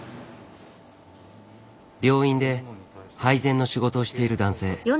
病院で配膳の仕事をしている男性。